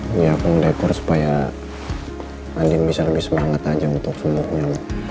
iya aku dekor supaya andien bisa lebih semangat aja untuk semuanya